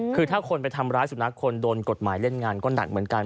คือถ้าคนไปทำร้ายสุนัขคนโดนกฎหมายเล่นงานก็หนักเหมือนกัน